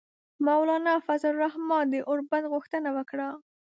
مولانا فضل الرحمان د اوربند غوښتنه وکړه.